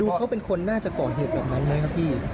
เขาเป็นคนน่าจะก่อเหตุแบบนั้นไหมครับพี่